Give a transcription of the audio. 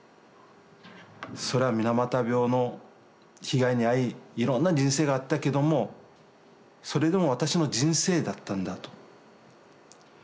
それは水俣病の被害に遭いいろんな人生があったけどもそれでも私の人生だったんだと。